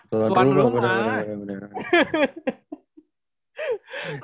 tuan rumah bener bener